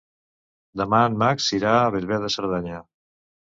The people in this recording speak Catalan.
Demà en Max irà a Bellver de Cerdanya.